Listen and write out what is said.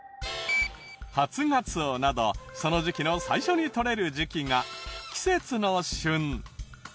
ハツガツオなどその時季の最初にとれる時期が季節の旬。